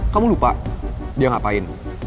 kamu lupa dia ngapain